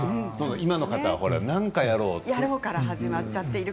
今の方は何かをやろうと。